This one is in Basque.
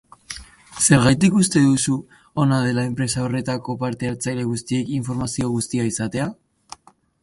Zergatik uste duzu ona dela enpresa horretako parte hartzaile guztiek informazio guztia izatea?